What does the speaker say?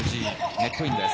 ネットインです。